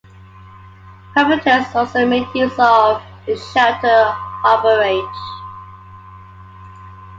Privateers also made use of the sheltered harbourage.